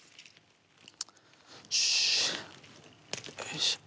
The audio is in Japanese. よいしょ